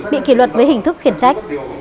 bị kỷ luật bằng hình thức khiển trách